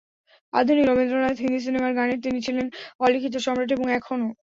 আধুনিক রবীন্দ্রনাথ, হিন্দি সিনেমার গানের তিনি ছিলেন অলিখিত সম্রাট এবং এখনো।